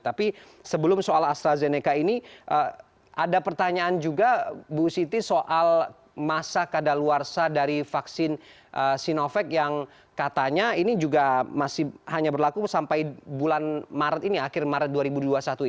tapi sebelum soal astrazeneca ini ada pertanyaan juga bu siti soal masa kadaluarsa dari vaksin sinovac yang katanya ini juga masih hanya berlaku sampai bulan maret ini akhir maret dua ribu dua puluh satu ini